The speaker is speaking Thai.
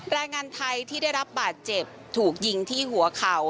แรงงานไทยที่ได้รับบาดเจ็บถูกยิงที่หัวเข่า